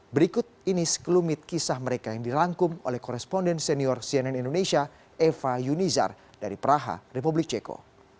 berikut ini sekelumit kisah mereka yang dirangkum oleh koresponden senior cnn indonesia eva yunizar dari praha republik ceko